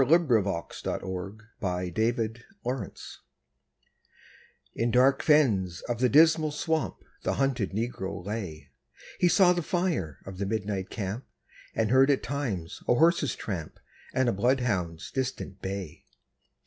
THE SLAVE IN THE DISMAL SWAMP In dark fens of the Dismal Swamp The hunted Negro lay; He saw the fire of the midnight camp, And heard at times a horse's tramp And a bloodhound's distant bay.